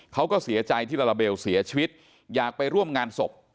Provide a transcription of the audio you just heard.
เขาก็เสียใจที่ลาลาเบลเสียชีวิตอยากไปร่วมงานศพ